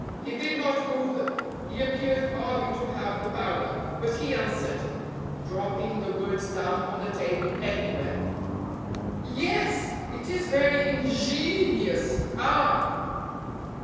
He did not move them; he appeared hardly to have the power, but he answered, dropping the words down on the table anywhere. "Ye yes! it is very inge nious, ah!"